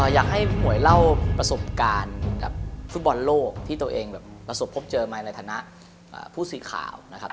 อยากให้หมวยเล่าประสบการณ์กับฟุตบอลโลกที่ตัวเองแบบประสบพบเจอมาในฐานะผู้สื่อข่าวนะครับ